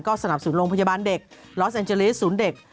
สนับสนุนโรงพยาบาลเด็กลอสแอนเจลิสศูนย์เด็ก